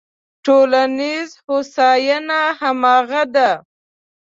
ټولنیزه هوساینه همغه ده.